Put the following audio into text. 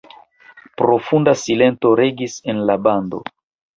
Profunda silento regis en la bando.